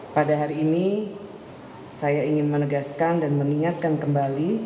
pada hari ini saya ingin menegaskan dan mengingatkan kembali